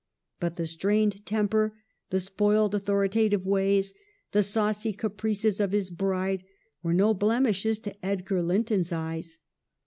But the strained temper, the spoiled, au thoritative ways, the saucy caprices of his bride, were no blemishes in Edgar Linton's eyes.